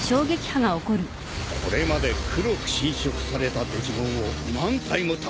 これまで黒く侵食されたデジモンを何体も倒してきたのだ。